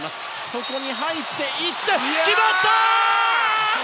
そこに入っていって決まった！